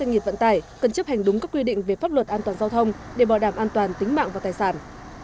doanh nghiệp vận tải cần chấp hành đúng các quy định về pháp luật an toàn giao thông để bảo đảm an toàn tính mạng và tài sản